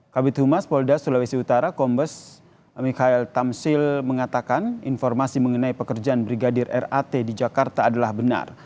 kabit humas polda sulawesi utara kombes mikhail tamsil mengatakan informasi mengenai pekerjaan brigadir rat di jakarta adalah benar